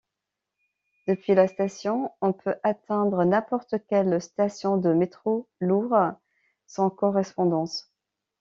Depuis la station on peut atteindre n’importe quelle station de métro lourd sans correspondance.